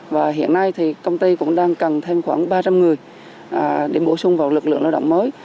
và hiện nay thì công ty cũng đang cần thêm khoảng ba trăm linh người để bổ sung vào lực lượng lao động mới